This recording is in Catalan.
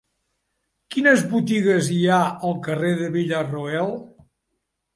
Quines botigues hi ha al carrer de Villarroel?